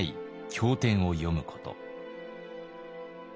経典を読むこと。